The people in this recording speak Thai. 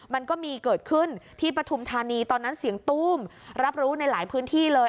มันก็มีเกิดขึ้นที่ปฐุมธานีตอนนั้นเสียงตู้มรับรู้ในหลายพื้นที่เลย